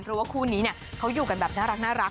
เพราะว่าคู่นี้เขาอยู่กันแบบน่ารัก